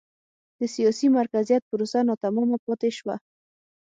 د سیاسي مرکزیت پروسه ناتمامه پاتې شوه.